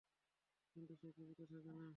কিন্তু সে জীবিত থাকে না।